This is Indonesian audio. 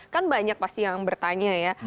kan banyak pasti yang bertanya ya